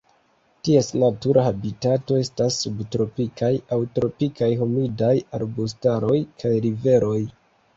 Ties natura habitato estas subtropikaj aŭ tropikaj humidaj arbustaroj kaj riveroj.